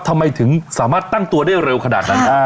ทำไมถึงสามารถตั้งตัวได้เร็วขนาดนั้นได้